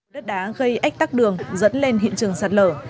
đất đá gây ếch tắc đường dẫn lên hiện trường sát lở